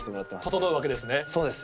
整うわけですね。